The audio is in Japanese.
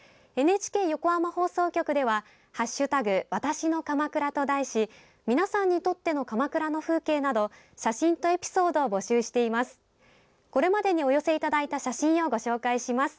ＮＨＫ横浜放送局では「＃わたしの鎌倉」と題し皆さんにとっての鎌倉の風景など写真とエピソードを募集しています。